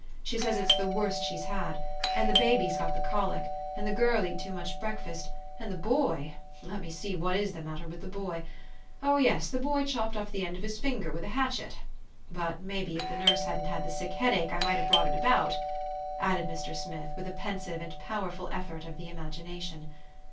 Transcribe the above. She says it's the worst she's 430 THE STORY OF AVIS. had. And the baby's got the colic ; and the girl eat too much breakfast ; and the boy let me see, what is the malter with the boy ? Oh, yes ! the boy chopped off the end of his finger with a hatchet. But maybe, if the nurse hadn't had the sick headache, I might have brought it about," added Mr. Smith, with a pensive and powerful effort of the imagination.